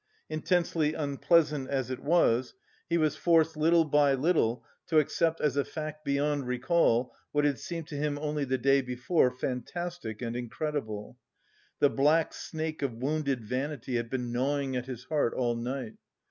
Intensely unpleasant as it was, he was forced little by little to accept as a fact beyond recall what had seemed to him only the day before fantastic and incredible. The black snake of wounded vanity had been gnawing at his heart all night.